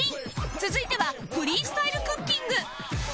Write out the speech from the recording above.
続いてはフリースタイルクッキング